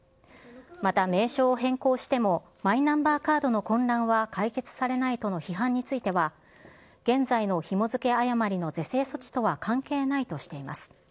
また名称を変更しても、マイナンバーカードの混乱は解決されないとの批判については、現在のひも付け誤りの是正措置とは関係ないとしています。